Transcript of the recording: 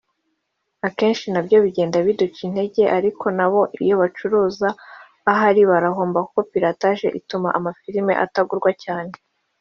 Akenshi nabyo bigenda biduca intege ariko nabo iyo bacuruza ahari barahomba kuko piratage ituma amafilime atagurwa cyane